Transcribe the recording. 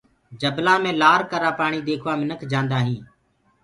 جبلآ مي لآر ڪرآ پآڻي ديکوآ منک جآندآ هينٚ۔